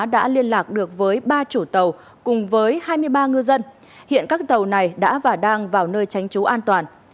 đã liên lạc được với ba chủ tàu cùng với hai mươi ba ngư dân hiện các tàu này đã và đang vào nơi tránh trú an toàn